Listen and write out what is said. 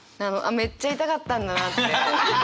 めっちゃ痛かったんだなって。